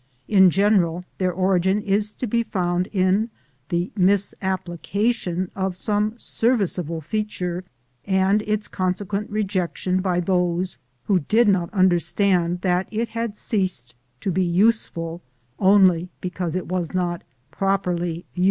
In general, their origin is to be found in the misapplication of some serviceable feature and its consequent rejection by those who did not understand that it had ceased to be useful only because it was not properly used.